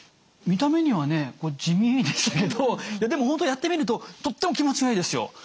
見た目にはね地味ですけどでも本当やってみるととっても気持ちがいいですよ。